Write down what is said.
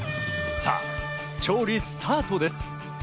さぁ、調理スタートです。